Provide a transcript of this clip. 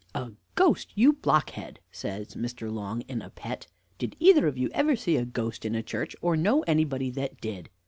"A ghost, you blockhead," says Mr. Long, in a pet; "did either of you ever see a ghost in a church, or know anybody that did?"